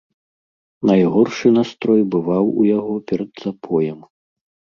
Найгоршы настрой бываў у яго перад запоем.